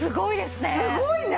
すごいね！